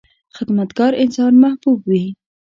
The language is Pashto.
• خدمتګار انسان محبوب وي.